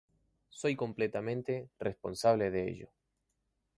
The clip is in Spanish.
Soy completamente responsable de ello.